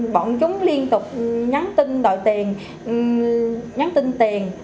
bọn chúng liên tục nhắn tin đòi tiền nhắn tin tiền